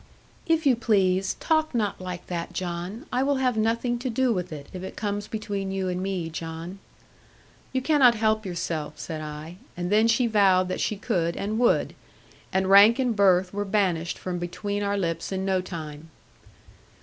'If you please, talk not like that, John. I will have nothing to do with it, if it comes between you and me, John.' 'You cannot help yourself,' said I. And then she vowed that she could and would. And rank and birth were banished from between our lips in no time.